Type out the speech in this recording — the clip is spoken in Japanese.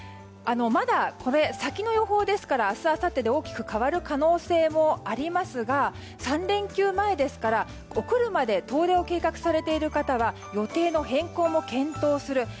まだ、先の予報ですから明日あさってで大きく変わる可能性もありますが３連休前ですからお車で遠出を計画されている方は予定の変更も検討する。